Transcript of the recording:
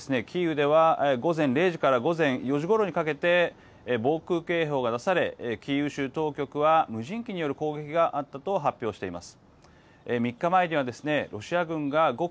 きょうもキーウでは午前０時から午前４時ごろにかけて防空警報が出されキーウ州当局は無人機による攻撃があったと発表しています。